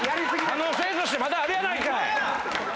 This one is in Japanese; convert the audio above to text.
可能性としてまだあるやないかい！